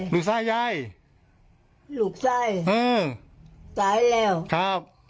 ลูกไส้ยายลูกไส้ตายแล้ว